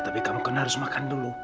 tapi kamu kan harus makan dulu